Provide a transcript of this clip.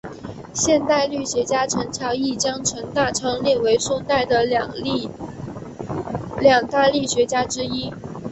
现代郦学家陈桥驿将程大昌列为宋代的两大郦学家之一。